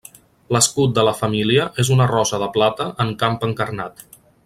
L'escut de la família és una rosa de plata en camp encarnat.